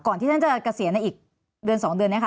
ที่ท่านจะเกษียณในอีกเดือน๒เดือนนี้ค่ะ